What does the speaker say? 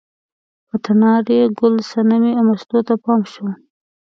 په تنار یې ګل صنمې او مستو ته پام شو.